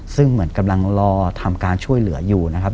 ซึ่งเหมือนกำลังรอทำการช่วยเหลืออยู่นะครับ